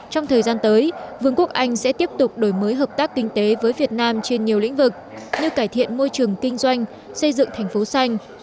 trong thời gian tới vương quốc anh sẽ tiếp tục đổi mới hợp tác kinh tế với việt nam trên nhiều lĩnh vực như cải thiện môi trường kinh doanh xây dựng thành phố xanh